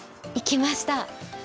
行きました。